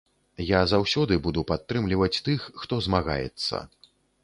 Я заўсёды буду падтрымліваць тых, хто змагаецца.